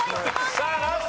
さあラスト！